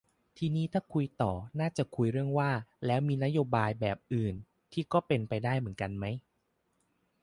ทีนี้ถ้าคุยต่อ น่าจะคุยกันเรื่องว่า แล้วมันมีนโยบายแบบอื่น ที่ก็เป็นไปได้เหมือนกันไหม